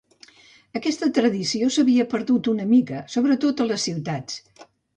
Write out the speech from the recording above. Aquesta tradició s'havia perdut una mica, sobretot a les ciutats.